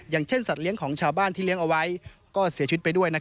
อย่างเช่นสัตว์เลี้ยงของชาวบ้านที่เลี้ยงเอาไว้ก็เสียชีวิตไปด้วย